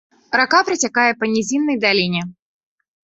Рака працякае па нізіннай даліне.